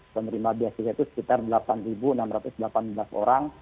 penerima beasiswa itu sekitar delapan enam ratus delapan belas orang